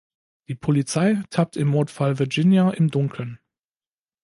Die Polizei tappt im Mordfall Virginia im Dunkeln.